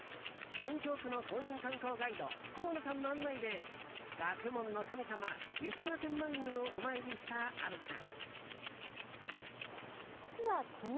文京区の公認観光ガイド河野さんの案内で学問の神様、湯島天満宮をお参りした虻ちゃん。